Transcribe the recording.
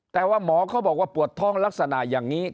แต่ว่าหมอเขาบอกว่าปวดท้องลักษณะอย่างนี้